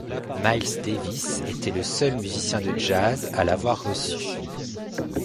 Miles Davis était le seul musicien de jazz à l'avoir reçue.